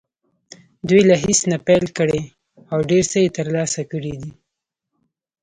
دوی له هېڅ نه پیل کړی او ډېر څه یې ترلاسه کړي دي